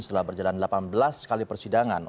setelah berjalan delapan belas kali persidangan